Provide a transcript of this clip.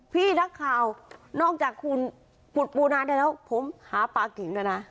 พี่นักข่าวนอกจากคุณขุดปูนาได้แล้วผมหาปลากิ่งด้วยนะ